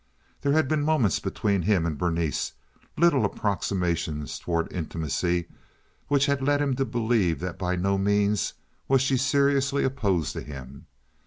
There had been moments between him and Berenice—little approximations toward intimacy—which had led him to believe that by no means was she seriously opposed to him.